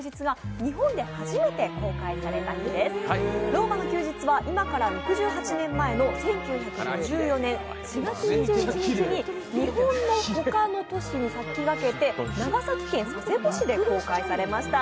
「ローマの休日」は今から６８年前の１９５４年４月２１日に日本の他の都市に先駆けて長崎県佐世保市で公開されました。